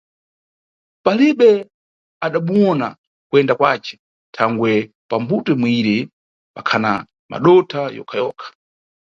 Palibe adamuyona kuyenda kwace, thangwe pambuto imweyire pakhana madotha yokha-yokha.